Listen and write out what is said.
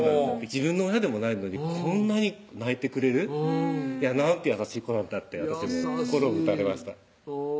自分の親でもないのにこんなに泣いてくれるなんて優しい子なんだって私も心打たれました